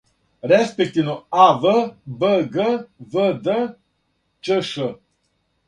респективно ав, бг, вд, ..., чш.